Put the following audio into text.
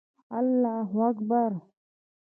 الله اکبر